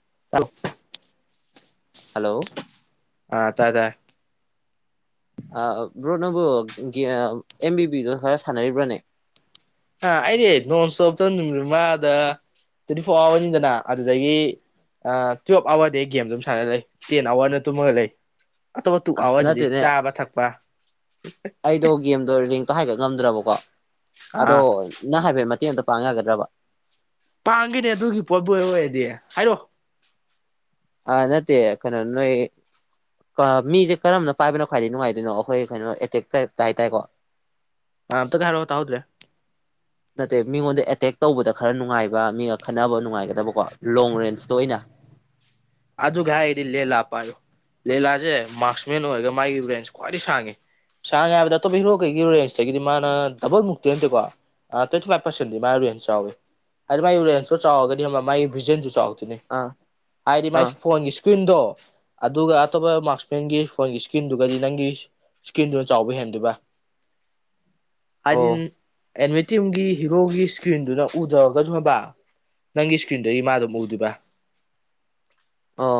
[unintelligible] hello ꯑꯥ ꯇꯥꯔꯦ ꯇꯥꯔꯦ ꯕ꯭ꯔꯣ ꯅꯪꯕꯨꯣ ꯑꯦꯝꯕꯤꯕꯤꯗꯪ [unintelligible] ꯁꯥꯟꯅꯔꯤꯔꯤꯕ꯭ꯔꯥꯅꯦ ꯑ ꯑꯩꯗꯤ ꯅꯣꯟ ꯁ꯭ꯇꯣꯞꯇ ꯅꯨꯃꯤꯠ ꯃꯉꯥꯗ ꯇ꯭ꯋꯦꯟꯇꯤ ꯐꯣꯔ ꯑꯋꯥꯔꯅꯤꯗꯅ ꯑꯗꯨꯗꯒꯤ ꯑ ꯇꯨꯋꯦꯂ꯭ꯞ ꯑꯋꯥꯔꯗꯤ ꯑꯩ ꯒꯦꯝ ꯑꯗꯨꯝ ꯁꯥꯟꯅ ꯂꯩ ꯇꯦꯟ ꯑꯋꯥꯔꯅ ꯇꯨꯝꯃꯒ ꯂꯩ ꯑꯇꯣꯞꯄ ꯇꯨ ꯑꯁ ꯑꯋꯥꯔꯁꯤꯗꯤ ꯅꯠꯇꯦꯅꯦ ꯆꯥꯕ ꯊꯛꯄ ꯑꯩꯗꯣ ꯒꯦꯝꯗꯣ ꯔꯦꯡꯇꯣ ꯍꯥꯏꯒꯠ ꯉꯝꯗ꯭ꯔꯕꯀꯣ ꯑꯗꯣ ꯑꯥ ꯅꯪ ꯍꯥꯏꯐꯦꯠ ꯃꯇꯦꯡ ꯑꯝꯇ ꯄꯥꯡ ꯌꯥꯒꯗ꯭ꯔꯕ ꯄꯥꯡ ꯒꯧꯅꯦ ꯑꯗꯨꯒꯤ ꯄꯣꯠꯄꯨ ꯑꯣꯏꯔꯗꯤ ꯍꯥꯏꯔꯣ ꯑꯥ ꯅꯠꯇ ꯀꯩꯅꯣ ꯅꯣꯏ ꯃꯤꯖꯦ ꯀꯔꯝꯅ ꯄꯥꯏꯕꯅ ꯈ꯭ꯋꯥꯏꯗꯒꯤ ꯅꯨꯡꯉꯥꯏꯗꯣꯏꯅꯣ ꯑꯩꯈꯣꯏ ꯀꯩꯅꯣ ꯑꯦꯇꯦꯛ ꯇꯥꯏꯞꯇ ꯍꯥꯏꯇꯥꯔꯦꯀꯣ ꯑꯝꯇꯪꯒ ꯍꯥꯏꯔꯛꯑꯣ ꯇꯍꯧꯗ꯭ꯔꯦ ꯅꯠꯇꯦ ꯃꯤꯉꯣꯟꯗ ꯑꯦꯇꯦꯛ ꯇꯧꯕꯗ ꯈꯔ ꯅꯨꯡꯉꯥꯏꯕ ꯃꯤꯒ ꯈꯟꯅꯕ ꯅꯨꯡꯉꯥꯏꯒꯗꯕꯀꯣ ꯂꯣꯡ ꯔꯦꯅ꯭ꯁꯇ ꯑꯣꯏꯅ [unintelligible] ꯑꯗꯨꯒ ꯍꯥꯏꯕꯗꯤ ꯂꯦꯂꯥ ꯄꯥꯏꯌꯨ ꯂꯦꯂꯥꯁꯦ ꯃꯔꯁꯃꯦꯟ ꯑꯣꯏꯔꯒ ꯃꯥꯒꯤ ꯔꯦꯟꯁ ꯈ꯭ꯋꯥꯏꯗꯒꯤ ꯁꯥꯡꯉꯤ ꯁꯥꯡꯅ ꯍꯥꯏꯕꯗ ꯑꯇꯣꯞꯄ ꯍꯤꯔꯣ ꯀꯩꯒꯤꯣ ꯔꯦꯟꯖꯇꯒꯤꯗꯤ ꯃꯥꯅ ꯗꯕꯜ ꯃꯨꯛꯇꯤ ꯅꯠꯇꯦꯀꯣ ꯇ꯭ꯋꯦꯟꯇꯤ ꯐꯥꯏꯚ ꯄꯥꯔꯁꯦꯟꯗꯤ ꯃꯥꯥꯏ ꯔꯦꯅ꯭ꯁ ꯆꯥꯎꯋꯦ ꯍꯥꯏꯗꯤ ꯃꯒꯤ ꯔꯦꯅ꯭ꯁꯁꯨ ꯆꯥꯎꯔꯒꯅꯤ ꯑꯃ ꯃꯥꯒꯤ ꯚꯖꯟꯁꯨ ꯆꯥꯎꯋꯦ ꯑꯥ ꯍꯥꯏꯗꯤ ꯃꯥꯏ ꯑꯥ ꯐꯣꯟꯒꯤ ꯁꯀ꯭ꯔꯤꯟꯗꯣ ꯑꯗꯨꯒ ꯑꯇꯣꯞꯄ ꯃꯥꯔꯁꯃꯦꯟꯒꯤ ꯐꯣꯟꯒꯤ ꯁꯀ꯭ꯔꯤꯟꯗꯨꯒꯗꯤ ꯅꯪꯒꯤ ꯁꯀꯤꯟꯗꯨꯅ ꯆꯥꯎꯕ ꯍꯦꯟꯗꯣꯏꯕ [unintelligible] ꯍꯥꯏꯗꯤ ꯑꯣ ꯑꯦꯅꯤꯃꯤ ꯇꯤꯝꯒꯤ ꯍꯤꯔꯣꯒꯤ ꯁꯀ꯭ꯔꯤꯟꯗꯨꯅ ꯍꯨ ꯊꯔꯒꯁꯨ ꯍꯥꯏꯕ ꯅꯪꯒꯤ ꯁꯀ꯭ꯔꯤꯟꯗꯒꯤ ꯃꯥ ꯑꯗꯨꯝ ꯎꯗꯪꯜꯣꯏꯕ ꯑꯣ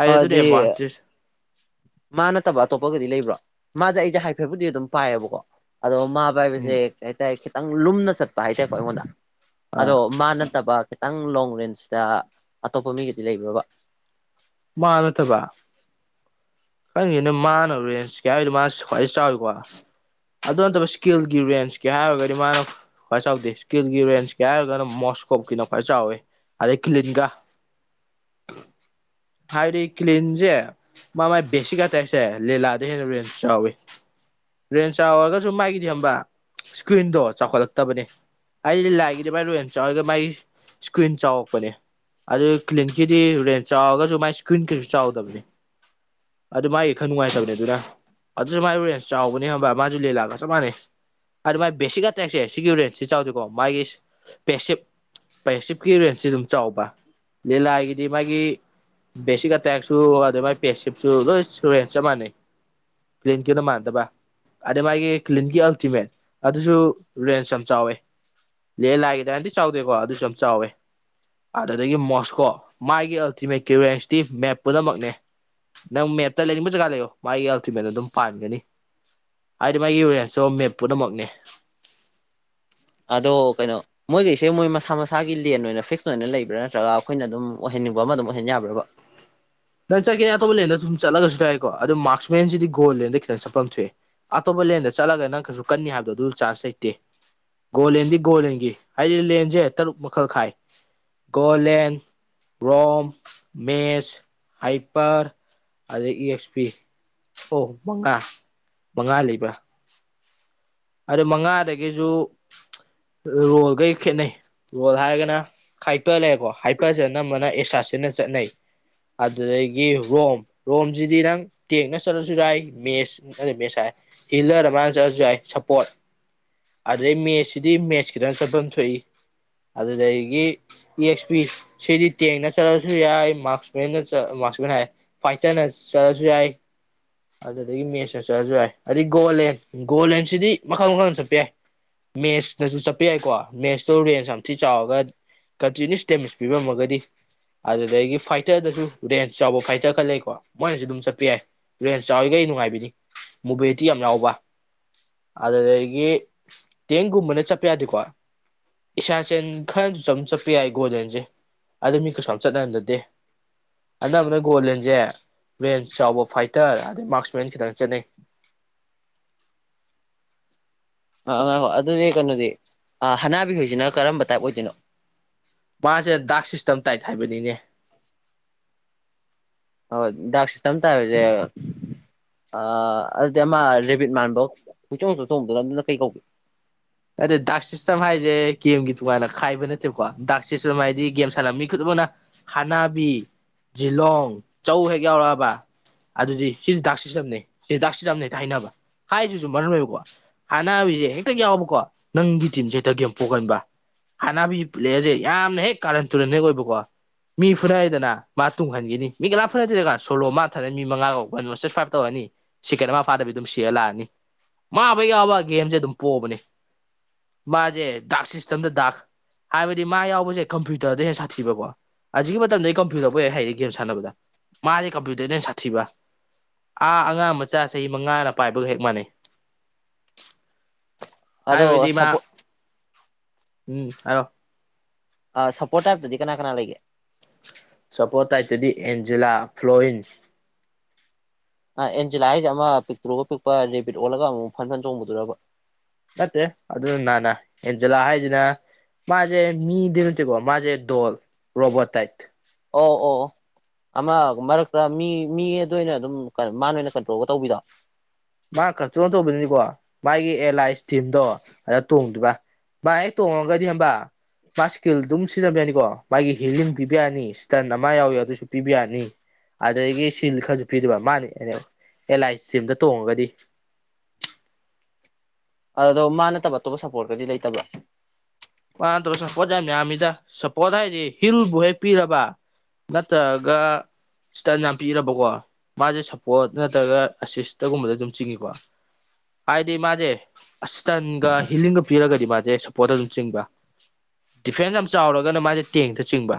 ꯑꯩ ꯑꯗꯨꯅꯦ ꯑꯗꯨꯗꯤ ꯑꯦꯠꯚꯥꯟꯇꯦ꯭ꯁ ꯃꯥ ꯅꯠꯇꯕ ꯑꯇꯣꯞꯄꯒꯗꯤ ꯂꯩꯕ꯭ꯔꯣ ꯃꯥꯁꯦ ꯑꯩꯁꯦ ꯍꯥꯏꯐꯦꯠꯕꯨꯗꯤ ꯑꯗꯨꯝ ꯄꯥꯏꯌꯦꯕꯀꯣ ꯑꯗꯣ ꯃꯥꯕ ꯍꯥꯏꯕꯁꯦ ꯎꯝ ꯀꯩ ꯍꯥꯏꯇꯥꯔꯦ ꯈꯤꯇꯪ ꯂꯨꯝꯅ ꯆꯠꯄ ꯍꯥꯏꯇꯥꯔꯦꯀꯣ ꯑꯩꯉꯣꯟꯗ ꯑꯗꯣ ꯑꯥ ꯃꯥ ꯅꯠꯇꯕ ꯈꯤꯇꯪ ꯂꯣꯡ ꯔꯦꯟꯖꯇ ꯑꯇꯣꯞꯄ ꯃꯤꯒꯗꯤ ꯂꯩꯕ꯭ꯔꯕ ꯃꯥ ꯅꯠꯇꯕ ꯈꯪꯁꯤꯅ ꯃꯥꯅ ꯔꯦꯟꯁ ꯀꯌꯥꯗꯣ ꯃꯥꯁꯨ ꯈ꯭ꯋꯥꯏ ꯆꯥꯎꯏꯤꯀꯣ ꯑꯗꯨ ꯅꯠꯇꯕ ꯏꯁꯀꯤꯜꯒꯤ ꯔꯦꯟꯁ ꯀꯦ ꯍꯥꯏꯔꯒꯗꯤ ꯃꯥꯅ ꯀꯃꯥꯏ ꯆꯥꯎꯗꯦ ꯏꯁꯀꯤꯜꯒꯤ ꯔꯦꯟꯁ ꯀꯦ ꯍꯥꯏꯔꯒꯅ ꯃꯣꯁ ꯀꯣꯝ ꯀ ꯅꯈꯥꯏ ꯆꯥꯎꯋꯦ ꯑꯗꯩ ꯀꯂꯤꯟꯒꯥ ꯍꯥꯏꯥꯏꯔꯤ ꯀꯂꯤꯟꯖꯦ ꯃꯥ ꯃꯥꯏ ꯕꯦꯁꯤꯒ ꯇꯥꯏꯁꯦ ꯂꯤꯂꯥꯗ ꯍꯦꯟꯅ ꯌꯥꯝ ꯆꯥꯎꯋꯤ ꯔꯦꯟꯖ ꯆꯥꯎꯔꯒꯁꯨ ꯃꯥꯒꯤꯗꯤ ꯍꯕ ꯏꯁꯀ꯭ꯔꯤꯟꯗꯣ ꯆꯥꯎꯈꯠꯂꯛꯇꯕꯅꯦ ꯑꯩꯗꯤ ꯂꯥꯏꯒꯤꯗꯤ ꯃꯥꯏ ꯔꯨꯦꯟ ꯆꯥꯎꯔꯒ ꯃꯥꯒꯤ ꯏꯁꯀ꯭ꯔꯤꯟ ꯆꯥꯎꯔꯛꯄꯅꯦ ꯑꯗꯨ ꯀ꯭ꯂꯤꯟꯀꯤꯗꯤ ꯔꯦꯟ ꯆꯥꯎꯔꯒꯁꯨ ꯃꯥꯏ ꯏꯁꯀ꯭ꯔꯤꯟ ꯀꯩꯁꯨ ꯆꯥꯎꯗꯕꯅꯤ ꯑꯗꯨ ꯃꯥꯒꯤ ꯈꯔ ꯅꯨꯡꯉꯥꯏꯇꯕꯅꯦ ꯑꯗꯨꯅ ꯑꯗꯨꯁꯨ ꯃꯥꯏꯕꯨꯨꯔꯦꯟ ꯆꯥꯎꯕꯅꯤ ꯍꯕ ꯃꯥꯁꯨ ꯂꯦꯂꯥꯛꯒꯁꯨ ꯃꯥꯅꯦ ꯑꯗꯨ ꯃꯥꯏ ꯕꯦꯁꯤꯛ ꯉꯇꯦꯛꯁꯦ ꯁꯤꯒꯤ ꯔꯦꯟꯁꯤ ꯆꯥꯎꯗꯦꯀꯣ ꯃꯥꯒꯤ ꯕꯦꯁꯤꯞ ꯄꯦꯁꯤꯞꯀꯤ ꯔꯦꯟꯁꯤ ꯑꯗꯨꯝ ꯆꯥꯎꯕ ꯂꯤꯂꯥꯏꯒꯤꯗꯤ ꯃꯥꯒꯤ ꯕꯦꯁꯤꯛ ꯑꯇꯦꯛꯁꯨ ꯑꯗꯨꯗ ꯃꯥꯏ ꯄꯦꯁꯤꯞꯁꯨ ꯂꯣꯏ ꯔꯦꯟ ꯆꯞ ꯃꯥꯟꯅꯩ ꯄ꯭꯭ꯂꯦꯟ ꯀꯤꯅ ꯃꯥꯟꯗꯕ ꯑꯗꯩ ꯃꯥꯒꯤ ꯀ꯭ꯂꯤꯟꯒꯤ ꯑꯜꯇꯤꯃꯦꯠ ꯑꯗꯨꯁꯨ ꯔꯦꯟꯖ ꯌꯥꯝ ꯆꯥꯎꯋꯦ ꯂ ꯂꯥꯏꯒꯤꯗꯅꯗꯤ ꯆꯥꯎꯗꯦꯀꯣ ꯑꯗꯨꯁꯨ ꯌꯥꯝ ꯆꯥꯎꯋꯦ ꯑꯗꯨꯗꯒꯤ ꯃꯣꯁꯀꯣ ꯃꯥꯒꯤ ꯁꯤꯃꯦ ꯀ꯭ꯌꯨꯔꯤꯌꯥꯁꯤꯇꯤ ꯃꯦꯞ ꯄꯨꯝꯅꯃꯛꯅꯦ ꯅꯪ ꯃꯦꯞꯇ ꯂꯩꯅꯤꯡꯕ ꯖꯒꯥ ꯂꯩꯌꯣ ꯃꯥꯒꯤ ꯑꯜꯇꯤꯃꯦꯠ ꯑꯗꯨꯝ ꯄꯥꯟꯒꯅꯤ ꯍꯥꯏꯗꯤ ꯃꯥꯒꯤ ꯔꯨꯔꯦꯟꯁꯇ ꯃꯦꯞ ꯄꯨꯝꯅꯃꯛꯅꯦ ꯑꯗꯣ ꯀꯩꯅꯣ ꯃꯣꯏꯈꯩꯁꯦ ꯃꯣꯏ ꯃꯁꯥ ꯃꯁꯥꯒꯤ ꯂꯦꯟ ꯑꯣꯏꯅ ꯐꯤꯛꯁ ꯁꯃꯥꯏꯅ ꯂꯩꯕ꯭ꯔꯥ ꯅꯠꯇ꯭ꯔꯒ ꯑꯩꯈꯣꯏꯅ ꯑꯗꯨꯝ ꯑꯣꯏꯍꯟꯅꯤꯡꯕ ꯑꯃ ꯑꯗꯨꯝ ꯑꯣꯏꯍꯟ ꯌꯥꯕ꯭ꯔꯕ ꯆꯒꯦ ꯑꯣꯞꯄ ꯂꯦꯟꯗ ꯑꯗꯨꯨꯝ ꯆꯠꯂꯒꯁꯨ ꯌꯥꯏꯀꯣ ꯑꯗꯨ ꯃꯔꯁꯃꯦꯟꯁꯤꯗꯤ ꯒꯣꯜ ꯂꯦꯟꯗ ꯈꯤꯇ ꯆꯠꯐꯝ ꯊꯣꯛꯑ ꯑꯇꯣꯞꯄ ꯂꯦꯟꯗ ꯆ ꯆꯠꯂꯒ ꯅꯪ ꯀꯩꯁꯨ ꯀꯟꯅꯤ ꯍꯥꯏꯕꯗꯣ ꯑꯗꯨ ꯆꯥꯟꯁ ꯂꯩꯇꯦ ꯒꯣꯂꯦꯟꯗꯤ ꯒꯣꯂꯦꯟꯒꯤ ꯍꯥꯏꯗꯤ ꯂꯦꯟꯁꯦ ꯇꯔꯨꯛ ꯃꯈꯜ ꯈꯥꯏ ꯒꯣꯂꯦꯟ ꯔꯣꯝ ꯃꯦꯁ ꯍꯩ ꯄꯔ ꯑꯗꯨꯗ ꯏ ꯑꯦꯛꯁ ꯄꯤ ꯑꯣ ꯃꯉꯥ ꯃꯉꯥ ꯂꯩꯕ ꯑꯗꯨ ꯃꯉꯥꯗꯒꯤꯁꯨ ꯔꯣꯜꯒꯩ ꯈꯦꯠꯅꯩ ꯔꯣꯜ ꯍꯥꯏꯔꯒꯅ ꯍꯥꯏꯥꯏꯄ ꯂꯩꯀꯣ ꯍꯥꯏꯄꯁꯦ ꯑꯅꯝꯕꯅ ꯑꯦꯁꯥꯁꯤꯅ ꯆꯠꯅꯩ ꯑꯗꯨꯗꯒꯤ ꯔꯣꯝ ꯔꯣꯝꯁꯤꯗꯤ ꯅꯪ ꯇꯦꯛꯅ ꯆꯠꯂꯁꯨ ꯌꯥꯏ ꯃꯦꯁ ꯑ ꯃꯦꯁ ꯍꯥꯏ ꯍꯤꯂ ꯔꯃꯥꯟ ꯆꯁ ꯌꯥꯏ ꯁꯄꯣꯠ ꯑꯗꯩ ꯃꯦꯠꯁꯁꯤꯗꯤ ꯃꯦꯠꯁ ꯈꯤꯇꯪ ꯆꯠꯐꯝ ꯊꯣꯛꯏ ꯑꯗꯨꯗꯒꯤ ꯏ ꯑꯦꯛꯁ ꯄꯤ ꯁꯤꯗꯤ ꯊꯦꯡꯅ ꯆꯠꯂꯁꯨ ꯌꯥꯏ ꯃꯥꯛꯁ ꯃꯟꯅ ꯁ ꯍꯥꯏ ꯐꯇꯅ ꯁꯁꯨꯏ ꯑꯗꯨꯗꯒꯤ ꯃꯦꯠꯁꯅ ꯆꯠꯂꯁꯨ ꯌꯥꯏ ꯑꯗꯩ ꯒꯣꯜꯂꯦꯟ ꯒꯣꯜꯂꯦꯟꯁꯤꯗꯤ ꯃꯈꯜ ꯃꯈꯜ ꯆꯠꯄ ꯌꯥꯏ ꯃꯦꯠꯁꯅꯁꯨ ꯆꯠꯄ ꯌꯥꯏꯀꯣ ꯃꯦꯠꯁꯇꯣ ꯔꯦꯟꯖ ꯌꯥꯝ ꯊꯤ ꯆꯥꯎꯔꯒ ꯀꯟꯇꯤꯅ꯭ꯨꯁ ꯇꯦꯃꯤꯁ ꯄꯤꯔꯝꯃꯒꯗꯤ ꯑꯗꯨꯗꯒꯤ ꯐꯥꯏꯇꯔꯗꯁꯨ ꯔꯦꯟꯖ ꯆꯥꯎꯕ ꯐꯥꯏꯇꯔ ꯈꯔ ꯂꯩꯀꯣ ꯃꯣꯏꯅꯁꯨ ꯑꯗꯨꯝ ꯆꯠꯄ ꯌꯥꯏ ꯔꯦꯟꯖ ꯆꯥꯎꯋꯒ ꯑꯩ ꯅꯨꯡꯉꯥꯏꯕꯅꯤ ꯃꯣꯕꯤꯂꯤꯇꯤ ꯌꯥꯝ ꯌꯥꯎꯕ ꯑꯗꯨꯗꯒꯤ ꯇꯦꯡꯒꯨꯝꯕꯅ ꯆꯠꯄ ꯌꯥꯗꯦꯀꯣ ꯏꯁꯆꯦꯟ ꯈꯔ ꯆ ꯆꯄꯤ ꯒꯣꯗꯦꯟꯁꯦ ꯑꯗꯨ ꯃꯤ ꯀꯩꯁꯨ ꯆꯠꯅꯍꯟꯗꯗꯦ ꯑꯅ ꯑꯃꯅ ꯒꯣꯂꯦꯟꯁꯦ ꯔꯦꯟꯁ ꯆꯥꯎꯕ ꯐꯥꯏꯇꯔ ꯑꯗꯩ ꯃꯥꯔꯛꯁꯃꯦꯟ ꯈꯤꯇꯪ ꯆꯠꯅꯩ [unintelligible] [inaudible] ꯑꯥ ꯑ ꯑꯗꯨꯗꯤ ꯀꯩꯅꯣꯗꯤ ꯍꯅꯥꯕꯤꯍꯣꯏꯁꯤꯅ ꯀꯔꯝꯕ ꯇꯥꯏꯞ ꯑꯣꯏꯗꯣꯏꯅꯣ ꯃꯥꯁꯦ ꯗꯥꯛ ꯁꯤꯁꯇꯦꯝ ꯇꯥꯏꯠ ꯍꯥꯏꯕꯅꯤꯅꯦ ꯍ ꯗ꯭ꯔꯁꯤ ꯆꯇ ꯍꯥꯏꯁ ꯑ ꯑꯗꯨꯗꯤ ꯑꯃ ꯔꯦꯕꯤꯠ ꯃꯥꯟꯕ ꯀꯨꯆꯣꯡ ꯆꯣꯡ ꯊꯣꯡꯗꯅ ꯑꯗꯨꯅ ꯀꯩ ꯀꯧ ꯑꯔꯦ ꯗꯥꯛꯁꯤꯁꯇꯝ ꯍꯥꯏꯖꯦ ꯀꯦꯝꯒꯤꯦ ꯇꯨꯃꯅ ꯈꯥꯏꯕ ꯅꯠꯇꯦꯕꯀꯣ ꯗꯥꯛꯁꯤꯁꯨ ꯃ ꯍꯥꯏꯗꯤ ꯒꯦꯝ ꯁꯥꯟꯅꯕ ꯃꯤ ꯈꯨꯗꯤꯃꯛꯅ ꯍꯥꯟꯅꯥꯕꯤ ꯖꯤꯂꯣꯡ ꯆꯧ ꯍꯦꯛ ꯌꯥꯎꯔꯛꯑꯕ ꯑꯗꯨꯗꯤ ꯁꯤꯁꯦ ꯗꯥꯛꯁꯤ ꯆꯝꯅꯩ ꯁꯤ ꯗꯥꯛꯁꯤ ꯆꯝꯅꯩ ꯍꯥꯏꯅꯕ ꯍꯥꯏꯁꯤꯁꯨ ꯃꯔꯝ ꯑꯣꯏꯕꯀꯣ ꯍꯥꯟꯅꯕꯤꯁꯦ ꯍꯦꯛꯇ ꯌꯥꯎꯕꯀꯣ ꯅꯪꯒꯤ ꯇꯤꯝꯁꯦ ꯍꯦꯛꯇꯒꯦꯝ ꯄꯣꯛꯒꯟꯕ ꯍꯥꯟꯅꯕꯤ ꯄꯨꯂꯛꯑꯁꯦ ꯌꯥꯝꯅ ꯍꯦꯛ ꯀꯥꯔꯟ ꯇꯨꯔꯟ ꯍꯦꯛ ꯑꯣꯏꯕꯀꯣ ꯃꯤ ꯐꯨꯅꯔꯗꯅ ꯃꯥ ꯇꯨꯡꯍꯟꯈꯤꯅꯤ ꯃꯤ ꯀꯅꯥꯝ ꯐꯨꯅꯗꯦꯗꯒ ꯁꯣꯂꯣ ꯃꯥ ꯊꯥꯅꯅꯤ ꯃꯤ ꯃꯉꯥꯒ ꯐꯥꯏꯚ ꯇꯧꯔꯅꯤ ꯁꯤꯀꯦꯠ ꯑꯃ ꯐꯥꯗꯕꯤ ꯑꯗꯨꯝ ꯁꯤꯔ ꯂꯥꯛꯑꯅꯤ ꯃꯥꯕ ꯌꯥꯎꯕ ꯒꯦꯝꯁꯦ ꯑꯗꯨꯝ ꯄꯣꯛꯑꯕꯅꯦ ꯃꯥꯁꯦ ꯗꯥꯛ ꯁꯤꯁꯇꯦꯝꯗ ꯗꯥꯛ ꯍꯥꯏꯕꯗꯤ ꯃꯥ ꯌꯥꯎꯕꯁꯦ ꯀꯝꯄ꯭ꯌꯨꯇꯔꯗ ꯍꯦꯛ ꯁꯥꯊꯤꯕꯀꯣ ꯑꯁꯤꯒꯤꯛ ꯃꯇꯝꯗ ꯑꯩ ꯀꯝꯄ꯭ꯌꯨꯇꯔꯕꯨ ꯍꯥꯏꯗꯤ ꯒꯦꯝ ꯁꯥꯟꯅꯕꯗ ꯃꯥꯁꯦ ꯀꯝꯄ꯭ꯌꯨꯇꯔꯗꯩꯅ ꯁꯥꯠꯊꯤꯕ ꯑꯥ ꯑꯉꯥꯡ ꯃꯆꯥ ꯆꯍꯤ ꯃꯉꯥꯅ ꯄꯥꯏꯕꯒ ꯍꯦꯛ ꯃꯥꯟꯅꯩ [inaudible] ꯑꯗ ꯍꯥꯏꯕꯗꯤ ꯃꯥ ꯁꯄ ꯎꯝ ꯍꯥꯏꯣ ꯁꯞꯄꯣꯔꯠ ꯇꯥꯏꯞꯇꯗꯤ ꯀꯅꯥ ꯀꯅꯥ ꯂꯩꯒꯦ ꯁꯄꯣꯇꯥꯏꯇꯗꯤ ꯑꯦꯟꯖꯦꯂꯥ ꯐ꯭ꯂꯋꯤꯟ ꯑꯦꯟꯖꯦꯂꯥ ꯍꯥꯏꯁꯦ ꯑꯃ ꯄꯤꯛꯇꯨꯔꯒ ꯄꯤꯛꯄ ꯔꯦꯕꯤꯠ ꯑꯣꯜꯂꯒ ꯑꯃꯨꯛ ꯐꯟ ꯐꯅ ꯆꯣꯡꯕꯗꯨꯔꯕ ꯅꯠꯇꯦ ꯑꯗꯨ ꯅꯅꯥ ꯑꯦꯟꯖꯂꯥ ꯍꯥꯏꯗꯅ ꯃꯥꯖꯦ ꯃꯤ ꯗꯔ ꯆꯀꯣ ꯃꯥꯖꯦ ꯗꯣꯜ ꯔꯣꯕ ꯇꯥꯏꯠ ꯑꯣ ꯑꯣ ꯑꯃ ꯃꯔꯛꯇ ꯃꯤ ꯃꯤ ꯑꯗꯨꯅ ꯑꯗꯨꯝ ꯃꯥꯅ ꯑꯣꯏꯅ ꯀꯟꯇ꯭ꯔꯣꯜꯒ ꯇꯧꯕꯤꯗ ꯃꯥ ꯀꯛꯆꯣ ꯇꯧꯕꯅꯤꯅꯤꯀꯣ ꯃꯥꯒꯤ ꯑꯦꯜ ꯑꯥꯏꯁ ꯇꯤꯝꯗꯣ ꯑꯗ ꯇꯣꯡꯗꯨꯒ ꯚꯦꯛ ꯇꯣꯡꯉꯒꯗꯤ ꯍꯕ ꯃꯥ ꯏꯁꯀꯤꯜ ꯑꯗꯨꯝ ꯁꯤꯖꯤꯟꯅꯕ ꯌꯥꯅꯤꯀꯣ ꯃꯥꯒꯤ ꯍꯤꯂꯤꯡ ꯄꯤꯕ ꯌꯥꯅꯤ ꯏꯁꯇꯟ ꯑꯃ ꯌꯥꯎꯏ ꯑꯗꯨꯁꯨ ꯄꯤꯕ ꯌꯥꯅꯤ ꯑꯗꯒꯤ ꯁꯤꯜ ꯈꯔꯁꯨ ꯄꯤꯗꯕ ꯃꯥꯅꯤ ꯑꯦꯂꯥꯏꯝꯗ ꯇꯣꯡꯉꯒꯗꯤ ꯑꯗꯨꯗꯣ ꯃꯥ ꯅꯠꯇꯕ ꯑꯇꯣꯞꯄ ꯁꯞꯄꯣꯔꯠꯀꯗꯤ ꯂꯩꯇꯕ꯭ꯔ ꯁꯄꯣꯁ ꯍꯥꯏꯗꯤ ꯍꯤꯜꯕꯨ ꯍꯦꯛ ꯄꯤꯔꯕ ꯅꯠꯇ꯭ꯔꯒ ꯁꯤꯇꯟ ꯌꯥꯝ ꯄꯤꯔꯕꯀꯣ ꯃꯥꯁꯦ ꯁꯞꯄꯣꯔꯠ ꯅꯠꯇ꯭ꯔꯒ ꯑꯦꯁꯤꯁꯇꯒꯨꯝꯕꯗ ꯑꯗꯨꯝ ꯆꯤꯡꯏꯤꯀꯣ ꯍꯥꯏꯗꯤ ꯃꯥꯁꯦ ꯑꯁꯇꯟꯒ ꯍꯤꯂꯤꯡꯒ ꯄꯤꯔꯒꯗꯤ ꯃꯥꯁꯦ ꯁꯞꯄꯣꯔꯠꯇ ꯑꯗꯨꯝ ꯆꯤꯡꯕ ꯗꯤꯐ꯭ꯔꯦꯟꯁ ꯌꯥꯝ ꯆꯥꯎꯔꯒꯅ ꯃꯥꯁꯦ ꯇꯦꯡꯗ ꯆꯤꯡꯕ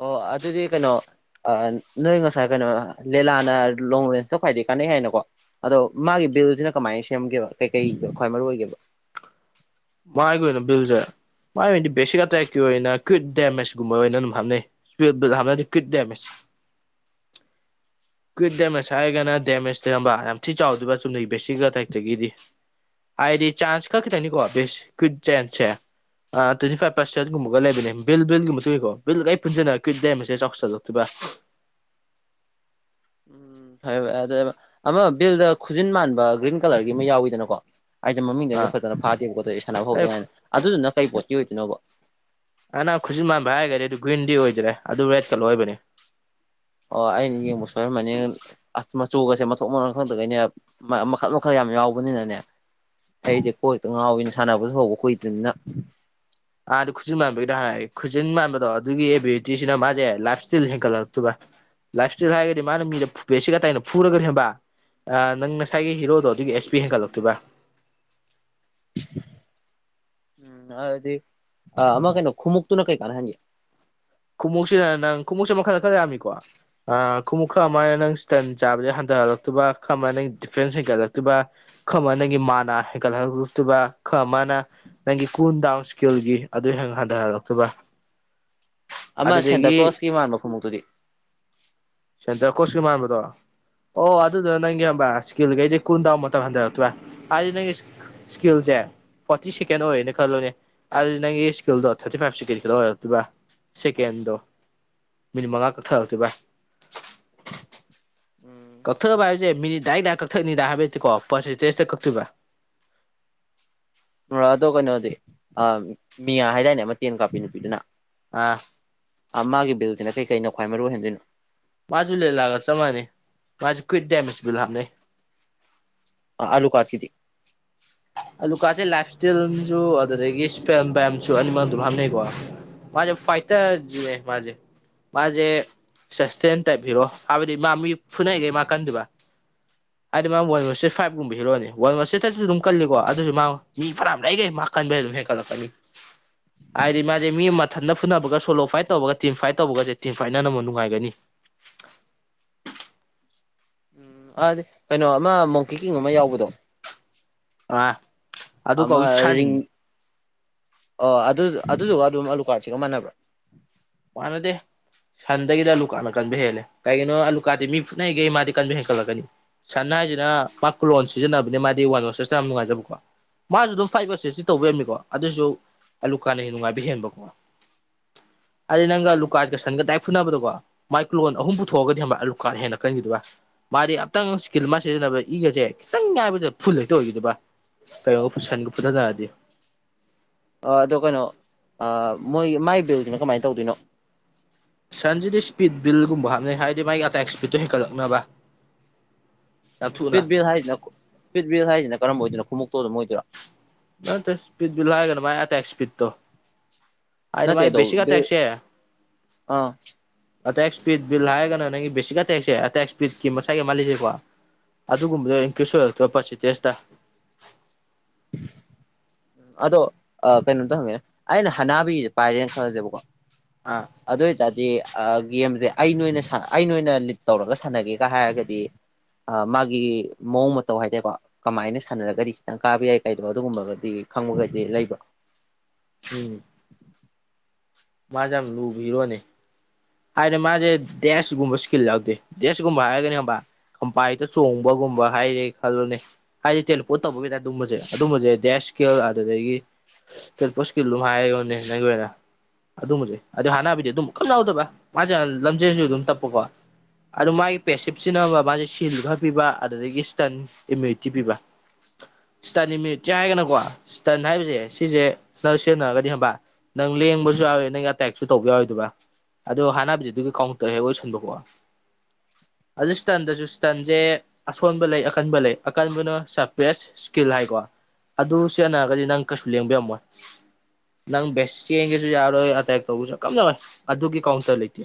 ꯑꯣ ꯑꯗꯨꯗꯤ ꯀꯩꯅꯣ ꯑ ꯅꯣꯏ ꯉꯁꯥꯏ ꯀꯩꯅꯣ ꯂꯤꯂꯥꯅ ꯂꯣꯡ ꯔꯦꯟꯁꯇ ꯈ꯭ꯋꯥꯏꯗꯒꯤ ꯀꯥꯟꯅꯩ ꯍꯥꯏꯅꯀꯣ ꯑꯗꯣ ꯃꯥꯒꯤ ꯕꯤꯜꯁꯤꯅ ꯀꯃꯥꯏꯅ ꯁꯦꯝꯒꯦꯕ ꯀꯩꯀꯩ ꯈ꯭ꯋꯥꯏ ꯃꯔꯨ ꯑꯣꯏꯒꯦꯕ ꯃꯥꯥꯏꯒꯤ ꯑꯣꯏꯅ ꯕꯤꯜꯁꯦ ꯃꯥꯏ ꯑꯣꯏꯅꯗꯤ ꯕꯦꯁꯤꯛ ꯑꯇꯥꯏꯛꯀꯤ ꯑꯣꯏꯅ ꯀ꯭ꯋꯤꯠ ꯗꯦꯃꯦꯖꯀꯨꯝꯕ ꯑꯣꯏꯅ ꯑꯗꯨꯝ ꯍꯥꯞꯅꯩ ꯏꯁ ꯍꯥꯞꯅꯗꯤ ꯀ꯭ꯋꯤꯠ ꯗꯦꯃꯦꯖ [unintelligible] [inaudible] ꯀ꯭ꯋꯤꯠ ꯗꯦꯃꯦꯖ ꯍꯥꯏꯔꯒꯅ ꯗꯦꯃꯦꯖ ꯇꯧꯔꯝꯕ ꯌꯥꯝ ꯊꯤ ꯆꯥꯎꯗꯕ ꯆꯨꯝꯅꯩ ꯕꯦꯁꯤꯒ ꯇꯥꯏꯛꯇꯒꯤꯗꯤ ꯍꯥꯏꯗꯤ ꯆꯥꯟꯁ ꯀꯛ ꯀꯈꯤꯗꯪꯅꯤꯀꯣ ꯁ ꯀ ꯆꯦꯟꯁꯦ ꯇ꯭ꯋꯦꯟꯇꯤ ꯐꯥꯏꯚ ꯄꯥꯔꯁꯦꯟꯠꯒꯨꯝꯕꯒ ꯂꯩꯕꯅꯦ ꯕꯤꯜ ꯜꯒꯨꯝꯕ ꯇꯨꯏꯀꯣ ꯕꯤꯜꯒ ꯄꯨꯟꯟꯅꯔ ꯀ꯭ꯋꯤꯠꯦꯁꯦ ꯆ ꯆꯥꯎ ꯆꯛꯇꯣꯏꯕ ꯎꯝ ꯎꯝ ꯐꯔꯦ ꯐꯦ ꯑꯗꯨ ꯑꯃ ꯕꯤꯜꯗ ꯈꯨꯖꯤꯟ ꯃꯥꯟꯕ ꯒ꯭ꯔꯤꯟ ꯀꯂꯔꯒꯤ ꯑꯃ ꯌꯥꯎꯋꯤꯗꯅꯀꯣ ꯑꯩꯁꯦ ꯃꯃꯤꯡꯗꯩꯅ ꯑꯥ ꯐꯖꯅ ꯐꯥꯗꯦꯕ ꯈꯣꯠꯇ ꯑꯩ ꯁꯥꯟꯅꯕ ꯐ ꯍꯧꯗꯉꯥꯏꯅ ꯑꯗꯨꯗꯨꯅ ꯀꯩ ꯄꯣꯠꯀꯤ ꯑꯣꯏꯗꯣꯏꯅꯣꯕ ꯑ ꯅꯪ ꯈꯨꯠꯁꯨ ꯃꯥꯟꯕ ꯍꯥꯏꯔꯒꯗꯤ ꯑꯗꯨ ꯒ꯭ꯔꯤꯟꯗꯤ ꯑꯣꯏꯗ꯭ꯔꯦ ꯑꯗꯨ ꯔꯦꯗ ꯀꯂꯔ ꯑꯣꯏꯕꯅꯤ ꯑꯣ ꯑꯩꯔ ꯃ ꯑꯁ ꯆꯨꯒꯁꯦ ꯃꯊꯣꯛ ꯃꯟ ꯈꯛꯇꯒꯩꯅꯦ ꯃꯈꯜ ꯃꯈꯜ ꯌꯥꯝ ꯌꯥꯎꯕꯅꯤꯅꯅꯦ ꯑꯩꯁꯦ ꯀꯣꯏꯇ ꯉꯥꯎꯋꯤꯅ ꯁꯥꯟꯅꯕꯁꯨ ꯍꯧꯕ ꯀꯨꯏꯗ꯭ꯅꯤꯅ ꯑꯥꯗ ꯈꯨꯖꯤꯟ ꯃꯥꯟꯕꯒꯤꯗ ꯍꯥꯟꯅ ꯈꯨꯖꯤꯟ ꯃꯥꯟꯕꯗꯣ ꯑꯗꯨꯒꯤ ꯑꯦꯕꯤꯂꯤꯇꯤꯁꯤꯅ ꯃꯥꯁꯦ ꯂꯥꯏꯞ ꯏꯁꯇꯤꯜ ꯍꯦꯟꯒꯠꯂꯛꯇꫭꯏꯕ ꯂꯥꯏꯞ ꯏꯁꯇꯥꯏꯜ ꯍꯥꯏꯔꯒꯗꯤ ꯃꯥꯅ ꯃꯤꯗ ꯐꯕꯦꯁꯤꯒꯇꯥꯏꯅ ꯐꯨꯔꯒꯅ ꯈꯪꯑꯕ ꯑꯥ ꯅꯪ ꯅꯁꯥꯏꯒꯤ ꯍꯤꯔꯣꯗꯣ ꯑꯗꯨꯒꯤ ꯑꯦꯁ ꯄꯤ ꯍꯦꯟꯒꯠꯂꯛꯇꯣꯏꯕ [inaudible] ꯎꯝ ꯑꯗꯨꯗꯤ ꯑ ꯑꯃ ꯀꯩꯅꯣ ꯈꯨꯃꯨꯛꯇꯨꯅ ꯀꯩꯀꯥꯥꯟꯅ ꯍꯥꯟꯒ‌ꯦ ꯈꯣꯡꯃꯨꯛꯁꯤꯅ ꯅꯪ ꯈꯣꯡꯎꯞꯁꯤ ꯃꯈꯜꯗ ꯈꯔ ꯌꯥꯝꯃꯤꯀꯣ ꯑꯥ ꯈꯣꯡꯎꯨꯞ ꯈꯔ ꯑꯃꯥꯏꯅ ꯅꯪ ꯁꯤꯇꯟ ꯆꯥꯕꯁ‌ꯦ ꯍꯟꯗ ꯂꯛꯇꯨꯕ ꯈꯥꯔꯃꯅꯥ ꯗꯤꯐꯦꯟꯁ ꯍꯦꯟꯒꯠꯂꯛꯇꯨꯕ ꯈꯔꯃꯅ ꯅꯪꯒꯤ ꯃꯅꯥ ꯍꯦꯟꯒꯠꯍꯜꯂꯛꯇꯨꯕ ꯃꯥꯅ ꯅꯪꯒꯤ ꯀꯨꯜ ꯗꯥꯎꯟ ꯏꯁꯀꯜꯒꯤ ꯑꯗꯨ ꯍ ꯍꯟꯊꯍꯜꯂꯛꯇꯕ ꯑꯃ ꯑꯗꯨꯗꯒꯤ ꯁꯦꯟꯗꯀ꯭ꯂꯣꯁꯀꯤ ꯃꯥꯟꯕ ꯈꯣꯡꯎꯇꯨꯗꯤ ꯁꯦꯟꯇꯔ ꯀꯣꯁꯀꯤ ꯃꯥꯟꯕꯗꯣ ꯑꯣ ꯑꯗꯨꯗꯨꯅ ꯅꯪꯒꯤ ꯈꯪꯕꯔꯥ ꯏꯁꯀꯤꯜꯈꯩꯗꯤ ꯀꯨꯟ ꯗꯥꯎ ꯃꯇꯝ ꯍꯟꯊꯔꯛꯇ꯭ꯔꯦ ꯍꯥꯏꯗꯤ ꯅꯪꯒꯤ ꯏꯁꯀꯤꯜꯁꯦ ꯐꯣꯔꯇꯤ ꯁꯦꯀꯦꯟ ꯑꯣꯏꯔꯌꯦꯅ ꯈꯜꯂꫭꯅꯦ ꯑꯗꯨꯗꯤ ꯅꯪꯒꯤ ꯏꯁꯀꯤꯜꯗꯣ ꯊꯥꯔꯇꯤ ꯐꯥꯏꯚ ꯁꯦꯀꯦꯟ ꯈꯛꯇ ꯑꯣꯏꯔꯛꯇꯣꯏꯕ ꯁꯦꯀꯦꯟꯗꯣ ꯃꯤꯅꯤꯠ ꯃꯉꯥ ꯀꯛꯊꯔꯛꯇꯣꯏ ꯚꯏ ꯀꯛꯊꯕ ꯍꯥꯏꯕꯁꯦ ꯃꯤꯅꯤꯠ ꯗꯥꯏꯔ‌ꯦꯛ ꯗꯥꯏꯔ‌ꯦꯛ ꯀꯛꯊꯛꯅꯤꯗ ꯍꯥꯏꯕ ꯅꯠꯇ‌ꯦꯀꯣ ꯄꯔꯁꯦꯟꯇꯦꯖꯇ ꯀꯛꯇꯣꯏꯕ ꯑꯗꯣ ꯀꯩꯅꯣꯗꯤ ꯃꯤꯌꯥ ꯍꯥꯏꯗꯥꯏꯅꯦ ꯑꯃ ꯇꯦꯟ ꯀꯥꯞꯄꯤ ꯅꯨꯄꯤꯗꯨꯅ ꯑꯥ ꯑ ꯃꯥꯒꯤ ꯕꯤꯜꯁꯤꯅ ꯀꯩꯀꯩꯅꯥ ꯈ꯭ꯋꯥꯏ ꯃꯔꯨ ꯑꫭꯏꯍꯦꫪꯟꯗꯣꯏꯅꯣ ꯃꯥꯁꯨ ꯂ‌ꯦꯂꯥꯑꯒ ꯆꯞ ꯃꯥꯟꯩ ꯃꯥꯁꯨ ꯀ꯭ꯋꯏꯠ ꯗꯦꯃꯦꯖ ꯕꯤꯜ ꯍꯥꯞꯅꯩ ꯑ ꯑꯂꯨ ꯀꯥꯠꯀꯤꯗꯤ ꯑꯂꯨꯀꯥꯠꯁꯦ ꯂꯥꯏꯞ ꯏꯁꯇꯤꯜꯁꯨ ꯑꯗꯨꯗꯒꯤ ꯏꯁꯄ ꯦꯝꯁꯨ ꯑꯅꯤꯃꯛ ꯑꯗꯨꯝ ꯍꯥꯞꯅꯩꯀꯣ ꯃꯥꯖ‌ꯦ ꯐꯥꯏꯇꯔꯖꯨꯅ‌ꯦ ꯃꯥꯖꯦ ꯃꯥꯁꯦ ꯁꯁꯇꯦꯟ ꯇꯥꯏꯞ ꯍꯤꯔꯣ ꯍꯥꯏꯕꯗꯤ ꯃꯥ ꯃꯤ ꯐꯨꯅꯩꯈꯩ ꯃꯥ ꯀꯟꯗꫭꯏꯕ ꯍꯥꯏꯗꯤ ꯃꯥ ꯋꯥꯟ‌ ꯕꯔꯁ‌ꯦꯠ ꯐꯥꯏꯚꯀꯨꯝꯕ ꯍꯔꯛꯑꯣꯅꯤ ꯋꯥꯟꯦ ꯊꯥꯔꯇꯤ ꯑꯗꯨ ꯀꯜꯂꯤꯀꯣ ꯑꯗꯨꯁꯨ ꯃꯥ ꯃꯤ ꯐꯅꯥꯝ ꯂꯩꯔꯤꯒꯩ ꯃꯥ ꯀꯟꯕꯩ ꯑꯗꯨꯝ ꯍꯦꯟꯀꯠꯂꯛꯀꯅꯤ ꯍꯥꯏꯗꯤ ꯃꯗꯤ ꯃꯥ ꯃꯤ ꯃꯊꯟꯗ ꯐꯨꯅꯕꯒ ꯁꯣꯂꯣ ꯐꯥꯏꯠ ꯇꯧꯕꯒ ꯇꯤꯝ ꯐꯥꯏꯠ ꯇꯧꯕꯒꯁꯦ ꯇꯤꯝ ꯐꯥꯏꯠꯅꯅꯕ ꯅꯨꯡꯉꯥꯏꯒꯅꯤ [inaudible] ꯎꯝ ꯑꯗꯤ ꯀꯩꯅꯣ ꯑꯃ ꯃꯣꯡꯀꯤ ꯀꯤꯡ ꯑꯃ ꯌꯥꯎꯕꯗꯣ ꯑꯥ ꯑꯗꯨ ꯀꯧꯑ‌ꯦ ꯑꯃ ꯁꯟ ꯔꯤꯡ ꯑꯣ ꯑꯗꯨ ꯑꯗꯨꯗꯨꯒ ꯑꯗꯨꯝ ꯑꯂꯨ ꯀꯥꯔꯠꯁꯤꯒ ꯃꯥꯟꯅꯕ꯭ꯔꯥ ꯃꯥꯅꯗꯦ ꯁꯟꯗꯒꯤꯗꯤ ꯑꯂꯨꯀꯥꯅ ꯀꯟꯕ ꯍꯦꯜꯂꯦ ꯀꯩꯒꯤꯅꯣ ꯑꯂꯨꯀꯥꯗꯤ ꯃꯤ ꯐꯨꯅꯩꯒꯦ ꯃꯥꯗꯤ ꯀꯟꯕ ꯍꯦꯟꯒꯠꯂꯛꯀꯅꯤ ꯁꯟ ꯍꯥꯏꯁꯤꯅ ꯃꯥ ꯀꯂꯣꯟ ꯁꯤꯖꯤꯟꯅꯕꯅꯦ ꯃꯥꯗꯤ ꯋꯥꯟ ꯕꯔꯁꯦꯁꯇ ꯌꯥꯝ ꯅꯨꯡꯉꯥꯏꯖꯕꯀꯣ ꯃꯥꯁꯨ ꯑꯗꯨꯝ ꯐꯥꯏꯚ ꯕꯔꯁꯦꯁꯇꯤ ꯇꯧꯕꯉꯝꯃꯤꯀꯣ ꯑꯗꯨꯁꯨ ꯑꯂꯨꯀꯥꯟꯅ ꯍꯦꯟꯅ ꯅꯨꯡꯉꯥꯏꯕ ꯍꯦꯟꯕꯀꯣ [inaudible] ꯍꯥꯏꯗ ꯅꯪꯒ ꯑꯂꯨꯀꯥꯔꯀ ꯁꯟꯒ ꯗꯥꯥꯏꯔ‌ꯦꯛ ꯐꯨꯅꯕꯗꯀꯣ ꯃꯥꯏꯀꯂꯣꯟ ꯑꯍꯨꯝ ꯄꯨꯊꯣꯛꯑꯒꯗꯤ ꯈꯪꯕꯔꯥ ꯑꯂꯨꯀꯥꯠꯅ ꯍꯦꯟꯅ ꯀꯟꯈꯤꯗꫭꯏꯕ ꯃꯥꯗꯤ ꯑꯝꯇꯪ ꯏꯁꯀꯤꯜ ꯃꯥ ꯁꯤꯖꯤꯟꯅꯕ ꯏꯒꯁꯦ ꯈꯤꯇꯪ ꯉꯥꯏꯕꯁ‌ꯦ ꯐꯨꯜ ꯍꯦꯛꯇ ꯑꯣꯏꯈꯤꯗꫭꯏꯕ ꯀꯩꯅꯣ ꯁꯟꯒ ꯐꯗꯠꯅꯔꯗꯤ ꯑꯗꯣ ꯀꯩꯅꯣ ꯃꯣꯏ ꯃꯥꯏꯕꯦꯜꯁꯤꯅ ꯀꯃꯥꯏꯅ ꯇꯧꯗꯣꯏꯅꯣ ꯁꯟꯁꯤꯗꯤ ꯏꯁꯄꯤꯠ ꯕꯤꯜꯒꯨꯝꯕ ꯍꯥꯞꯅꯩ ꯍꯥꯏꯔꯗꯤ ꯃꯥꯒꯤ ꯑꯇꯥꯏ ꯏꯁꯄꯤꯠꯇꯣ ꯍꯦꯟꯀꯠꯂꯛꯅꯕ ꯌꯥꯝ ꯊꯨꯅ ꯏꯁꯕꯤ ꯍꯥꯏꯁꯤꯅ ꯏꯁ ꯕꯤꯜ ꯍꯥꯏꯁꯤꯅ ꯀꯔꯝꯕ ꯑꯣꯏꯗꯅꯣ ꯈꯣꯡꯎꯨꯛꯇꫭ ꯑꯗꯨꯝ ꯑꯣꯏꯗꯣꯏꯔꯣ ꯇꯠꯇ‌ꯦ ꯏꯁꯄꯤꯠ ꯍꯥꯏꯔꯒꯅ ꯃꯥꯏ ꯑꯦꯇ‌ꯦꯛ ꯏꯁꯄꯤꯗ ꯇꫭ ꯍꯥꯏꯗꯤ ꯅꯠꯇꯦ ꯃꯥꯏ ꯑꯗꯣ ꯕ‌ꯦꯁꯤꯛ ꯕꯤꯜ ꯑꯦꯇ‌ꯦꯛꯁꯦ ꯑꯥ ꯑꯇꯦꯛ ꯏꯁꯄꯤꯠ ꯕꯤꯜ ꯍꯥꯏꯔꯒꯅ ꯅꯪꯒꯤ ꯕꯦꯁꯤꯛ ꯑꯇꯦꯛꯁꯦ ꯑꯇꯦꯛ ꯏꯁꯄꯤꯠꯀꯤ ꯃꯁꯥꯏꯒꯤ ꯑꯃꯥ ꯂꯩꯖꯩꯕꯀꫭ ꯑꯗꯨꯒꯨꯝꯕꯗꫭ ꯏꯟꯀꯤꫪ꯭ꯁ ꯑꫭꯏꯍꯟꯂꯛꯇꯣꯏꯕ ꯄꯠꯁ‌ꯦꯟ ꯇꯦꯁꯇ [inaudible] ꯎꯝ ꯑꯗꯣ ꯀꯩꯅꯣꯝꯇ ꯍꯪꯉꯦ ꯑꯩꯅ ꯍꯅꯥꯕꯤꯁꯦ ꯄꯥꯏꯔꯦꯅ ꯈꯜꯂꯁꯦꯕꯀꯣ ꯑꯥ ꯑꯗꫭꯏ ꯑꯣꯏ ꯇꯗꯤ ꯑꯥ ꯒꯦꯝꯖꯦ ꯑꯩꯅꯑꫭꯏꯅ ꯁꯥ ꯑꯩꯅꯣꯏꯅ ꯂꯤꯠ ꯇꯧꯔꯒ ꯁꯥꯟꯅꯒꯦꯒ ꯍꯥꯏꯔꯒꯗꯤ ꯑꯥ ꯃꯥꯒꯤ ꯃꯑꯣꯡ ꯃꯇꯧ ꯍꯥꯏꯇꯥꯏꯀꯣ ꯀꯃꯥꯏꯅ ꯁꯥꯟꯅꯔꯒꯗꯤ ꯈꯤꯇꯪ ꯀꯥꯕ ꯌꯥꯏ ꯂꯩꯕꯗꯣ ꯑꯗꯨꯒꯨꯝꯕꯒꯗꯤ ꯈꯪꯕꯒꯗꯤ ꯂꯩꯕꯔꯣ ꯎꯝ ꯃꯥꯖꯦ ꯌꯥꯝ ꯂꯨꯕ ꯍꯤꯔꯣꯅꯦ ꯍꯥꯏꯔꯦ ꯃꯥꯖꯦ ꯗꯦꯁꯒꯨꯝꯕ ꯁꯀꯤꯜ ꯌꯥꯎꯗꯦ ꯗꯦꯁꯀꯨꯝꯕ ꯍꯥꯏꯔꯒꯅꯦ ꯍꯪꯕꯔꯥ ꯀꯝꯄꯥꯏꯗ ꯆꯣꯡꯕꯒꯨꯝꯕ ꯍꯥꯏꯔꯦ ꯈꯜꯂꯣꯅꯦ ꯍꯥꯏꯗꯤ ꯇꯦꯂꯄꯣꯠ ꯇꯧꯕꯒꯤꯗ ꯑꯗꯨꯝꯕꯖꯦ ꯑꯗꯨꯝꯕꯖꯦ ꯗꯦꯁ ꯏꯁꯀꯤꯜ ꯑꯗꯨꯗꯒꯤ ꯁ ꯇꯣꯝꯄꯣꯠ ꯏꯁꯀꯤꯜ ꯑꯗꯨꯝ ꯍꯥꯏꯔꯣꯅꯦ ꯅꯪꯒꯤ ꯑꯣꯏꯅ ꯑꯗꯨꯝꯕꯖꯦ ꯑꯗꯨ ꯍꯥꯟꯅꯕꯤꯗꯤ ꯑꯗꯨꯝ ꯀꯝ ꯌꯥꯎꯗꯕꯔ ꯃꯥꯖꯦ ꯂꯝꯖꯦꯜꯁꯨ ꯑꯗꯨꯝ ꯇꯞꯄꯀꯣ ꯑꯗꯨ ꯃꯥꯒꯤ ꯄꯦꯁꯤꯞ ꯁꯤꯖꯤꯟꯅꯕ ꯕꯥꯖꯦ ꯁꯤꯟꯖꯨ ꯈꯔ ꯄꯤꯕ ꯑꯗꯨꯗꯒꯤ ꯏꯁꯇꯟ ꯏꯃ꯭ꯌꯨꯅꯤꯇꯤ ꯄꯤꯕ ꯏꯁꯇꯟ ꯏꯃꯤꯠꯆꯤ ꯍꯥꯏꯔꯒꯅꯀꯣ ꯏꯁꯇꯟ ꯍꯥꯏꯕꯖꯦ ꯁꯤꯖꯦ ꯅꯪ ꯁꯤꯖꯤꯟꯅꯔꯒꯗꯤ ꯈꯪꯕꯔ ꯅꯪ ꯂꯦꯡꯕꯁꯨ ꯌꯥꯎꯋꯤ ꯅꯪ ꯑꯇꯦꯛꯁꯨ ꯇꯧꯕ ꯌꯥꯔꯣꯏꯗꯨꯕ ꯑꯗꯣ ꯍꯥꯟꯅꯕꯤꯗꯤ ꯑꯗꯨꯒ ꯀꯥꯎꯟꯇꯔ ꯍꯦꯛ ꯑꯣꯏꯁꯟꯕ ꯀꯣ [inaudible] ꯑꯗꯨ ꯏꯁꯇꯟꯗꯖꯨ ꯏꯁꯇꯟꯖꯦ ꯑꯁꯣꯟꯕ ꯂꯩ ꯑꯀꯟꯕ ꯂꯩ ꯑꯀꯟꯕꯅ ꯁꯄ꯭ꯔꯦꯁ ꯏꯁꯀꯤꯜ ꯍꯥꯏꯀꯣ ꯑꯗꯨ ꯁꯤꯖꯤꯟꯅꯔꯒꯗꯤ ꯅꯪ ꯀꯩꯁꯨ ꯂꯦꯡꯕꯤꯔꯝꯃꯣꯏ ꯅꯪ ꯕꯦꯁ ꯆꯦꯟꯒꯦꯖꯨ ꯌꯥꯔꯣꯏ ꯑꯇꯦꯛ ꯇꯧꯕꯁꯨ ꯀꯩꯝ ꯌꯥꯔꯣꯏ ꯑꯗꯨꯒꯤ ꯀꯥꯎꯟꯇꯔ ꯂꯩꯇꯦ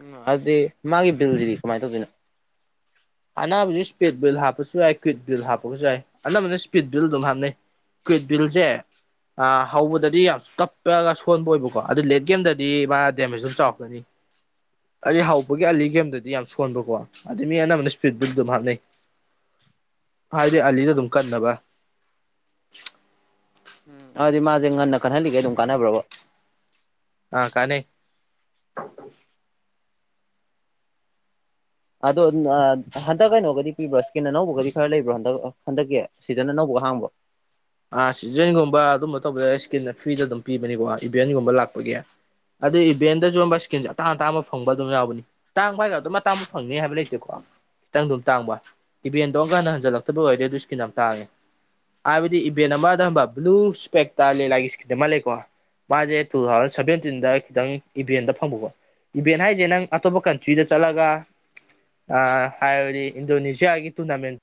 ꯎꯝ ꯑꯗꯤ ꯃꯥꯒꯤ ꯕꯤꯜꯖꯤꯗꯤ ꯀꯃꯥꯏꯅ ꯇꯧꯗꯣꯏꯅꯣ ꯑꯅꯥꯕꯖꯤ ꯏꯁꯄꯤꯠ ꯕꯤꯜ ꯍꯥꯞꯄꯁꯨ ꯌꯥꯏ ꯀ꯭ꯋꯏꯠ ꯕꯤꯜ ꯍꯥꯞꯄꯒꯁꯨ ꯌꯥꯏ ꯑꯅꯝꯕꯅ ꯏꯁꯄꯤꯠ ꯕꯤꯜ ꯑꯗꯨꯝ ꯍꯥꯞꯅꯩ ꯀꯋꯤꯠ ꯕꯤꯜꯖꯦ ꯑꯥ ꯍꯧꯕꯗꯗꯤ ꯌꯥꯝ ꯀꯞꯄꯒ ꯁꯣꯟꯕ ꯑꯣꯏꯕꯀꯣ ꯑꯗꯨ ꯂꯦꯠ ꯒꯦꯝꯗꯗꯤ ꯃꯥ ꯗꯦꯃꯦꯖ ꯗꯨ ꯆꯥꯎꯔꯛꯀꯅꯤ ꯑꯩ ꯍꯧꯕꯒꯤ ꯑꯂꯤ ꯒꯦꯝꯗꯗꯤ ꯌꯥꯝ ꯁꯣꯟꯕꯀꯣ ꯑꯗꯨ ꯃꯤ ꯑꯅꯝꯕꯅ ꯏꯁ ꯄꯤꯠ ꯕꯨꯜ ꯗꯨꯝ ꯍꯥꯞꯅꯩ ꯍꯥꯏꯗꯤ ꯑꯂꯤ ꯎꯝ ꯍꯥꯏꯗꯤ ꯃꯥꯖꯦ ꯉꯟꯅ ꯀꯟꯍꯜꯂꯤꯒꯩ ꯑꯗꯨꯝ ꯀꯥꯟꯅꯕ꯭ꯔꯕ ꯑꯥ ꯀꯥꯅꯩ ꯑꯗꯣ ꯑꯝ ꯑꯥ ꯍꯟꯗꯛ ꯀꯩꯅꯣꯒꯗꯤ ꯄꯤꯕꯔꯣ ꯁ ꯀꯤꯟ ꯑꯅꯧꯕꯒꯗꯤ ꯈꯔ ꯂꯩꯕ꯭ꯔꯣ ꯍꯟꯗꯛ ꯍꯟꯗꯛꯀꯤ ꯁꯤꯖꯟ ꯑꯅꯧꯕꯒ ꯍꯥꯡꯕ꯭ꯔꯣ ꯑꯥ ꯁꯤꯖꯟꯒꯨꯝꯕ ꯑꯗꯨꯝꯕ ꯇꯧꯕꯗ ꯏꯁꯀꯤꯟꯗ ꯐ꯭ꯔꯤꯗ ꯑꯗꯨꯝ ꯄꯤꯕꯅꯤꯀꯣ ꯏꯚꯦꯟꯒꯨꯝꯕ ꯂꯥꯛꯄꯒꯤ ꯑꯗꯨ ꯏꯚꯦꯟꯗ ꯖꯨꯝꯕ ꯏꯁꯀꯤꯟꯁꯦ ꯑꯇꯥꯡ ꯑꯇꯥꯥꯡꯕ ꯐꯪꯕ ꯑꯗꯨꯝ ꯌꯥꯎꯕꯅꯤ ꯇꯥꯡꯕ ꯍꯥꯏꯒ ꯑꯗꯨꯝ ꯑꯇꯥꯡꯕ ꯐꯪꯅꯤ ꯍꯥꯏꯕ ꯂꯩꯇꯦꯀꯣ ꯈꯤꯇꯪ ꯑꯗꯨꯝ ꯇꯥꯡꯕ ꯏꯚꯦꯟꯗꯣ ꯉꯥꯟꯅ ꯍꯟꯖꯤꯜꯂꯛꯇꯕ ꯑꯣꯏꯔꯗꯤ ꯑꯗꯨ ꯏꯁꯀꯤꯟ ꯑꯃ ꯇꯥꯡꯉꯦ ꯍꯥꯏꯕꯗꯤ ꯏꯚ ꯕꯦꯟ ꯑꯃꯗ ꯍꯪꯕꯔ ꯕꯂꯨ ꯏꯁꯄꯦꯛꯇꯥ ꯂꯦꯂꯥꯒꯤ ꯏꯁ ꯑꯃ ꯂꯩꯀꯣ ꯃꯥꯖꯦ ꯇꯨ ꯊꯥꯎꯖꯟ ꯁꯚꯦꯟꯇꯤꯟꯗ ꯈꯤꯇꯪ ꯏꯚꯦꯟꯗ ꯐꯪꯕꯀꯣ ꯏꯚꯦꯟ ꯍꯥꯏꯖꯦ ꯅꯪ ꯑꯇꯣꯞꯄ ꯀꯟꯇ꯭ꯔꯤꯗ ꯆꯠꯂꯒ ꯑ ꯍꯥꯏꯕꯗꯤ ꯏꯟꯗꯣꯅꯦꯁꯤꯌꯥꯒꯤ ꯇꯨꯔꯅꯃꯦꯟꯠ